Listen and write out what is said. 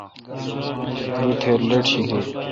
دو تھیر لیٹ شی گے۔